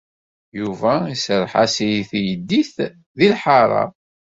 Yuba iserreḥ-as i teydit deg lḥaṛa.